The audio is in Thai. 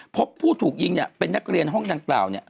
พบผู้ถูกยิงนี่เป็นนักเรียนห้องยังเก่า